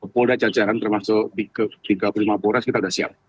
polda jajaran termasuk tiga puluh lima polres kita sudah siap